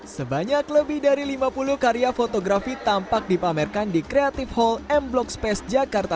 sebanyak lebih dari lima puluh karya fotografi tampak dipamerkan di creative hall m block space jakarta